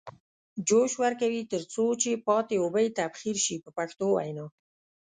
جوش ورکوي تر څو چې پاتې اوبه یې تبخیر شي په پښتو وینا.